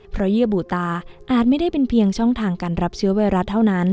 เพราะเยื่อบูตาอาจไม่ได้เป็นเพียงช่องทางการรับเชื้อไวรัสเท่านั้น